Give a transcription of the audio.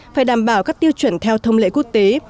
phải đảm bảo các tiêu chuẩn theo thông lệ quốc tế